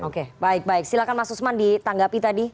oke baik baik silahkan mas usman ditanggapi tadi